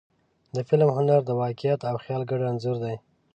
د فلم هنر د واقعیت او خیال ګډ انځور دی.